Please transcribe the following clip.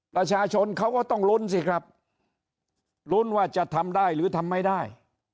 ประชาชนเขาก็ต้องลุ้นสิครับลุ้นว่าจะทำได้หรือทำไม่ได้